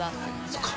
そっか。